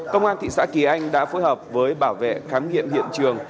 công an thị xã kỳ anh đã phối hợp với bảo vệ khám nghiệm hiện trường